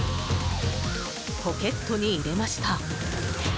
ポケットに入れました。